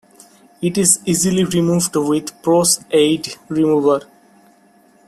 It is easily removed with Pros-Aide Remover.